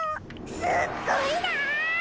すっごいな！